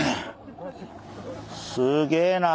すげえな！